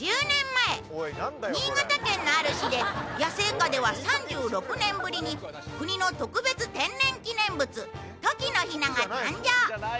１０年前新潟県のある市で野生下では３６年ぶりに国の特別天然記念物トキのひなが誕生。